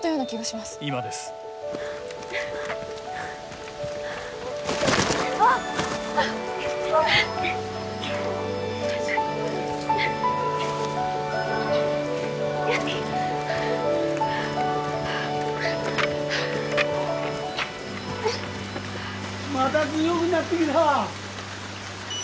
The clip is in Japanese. まだ強ぐなってきた。